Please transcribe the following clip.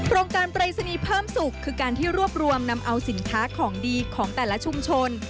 โรงการปรายศนีย์เพิ่มสุขคือการที่รวบรวมนำเอาสินค้าของดีของแต่ละชุมชน